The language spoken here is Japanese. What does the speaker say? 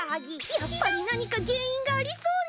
やっぱり何か原因がありそうね。